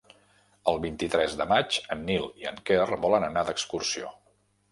El vint-i-tres de maig en Nil i en Quer volen anar d'excursió.